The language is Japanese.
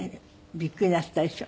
びっくりなすったでしょうね。